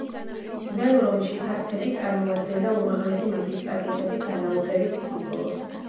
ძველ რომში ფასცები წარმოადგენდა უმაღლესი მაგისტრატუსების ძალაუფლების სიმბოლოს.